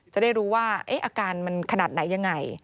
จะได้รู้ว่าอาการมันขนาดไหนยังไง